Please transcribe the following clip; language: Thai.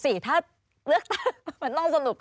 สวัสดีครับทุกคน